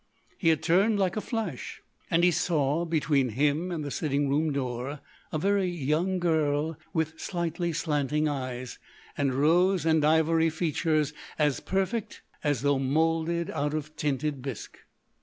He had turned like a flash; and he saw, between him and the sitting room door, a very young girl with slightly slanting eyes, and rose and ivory features as perfect as though moulded out of tinted bisque.